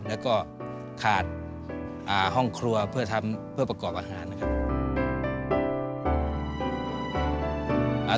แล้วก็ขาดห้องครัวเพื่อทำเพื่อประกอบอาหารนะครับ